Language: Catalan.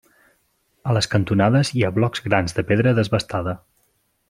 A les cantonades hi ha blocs grans de pedra desbastada.